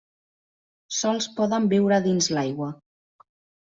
Sols poden viure dins l'aigua.